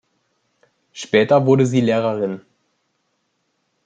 Später wurde sie Lehrerin.